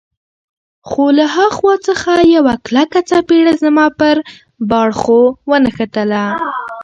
خو له ها خوا څخه یوه کلکه څپېړه زما پر باړخو ونښتله.